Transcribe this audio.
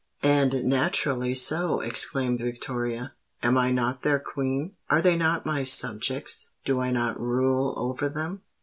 "And naturally so," exclaimed Victoria. "Am I not their Queen? are they not my subjects? do I not rule over them?